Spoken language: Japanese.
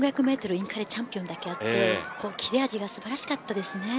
インカレチャンピオンだけあって切れ味が素晴らしかったですね。